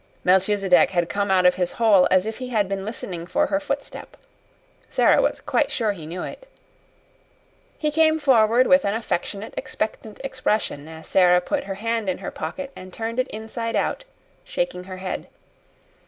Melchisedec had come out of his hole as if he had been listening for her footstep. Sara was quite sure he knew it. He came forward with an affectionate, expectant expression as Sara put her hand in her pocket and turned it inside out, shaking her head.